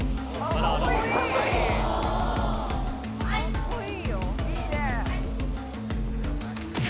格好いいよ！いいね！